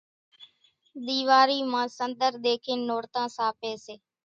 ۮيواري مان سنۮر ۮيکين نورتان ساپي سي